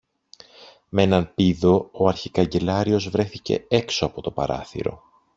Μ' έναν πήδο ο αρχικαγκελάριος βρέθηκε έξω από το παράθυρο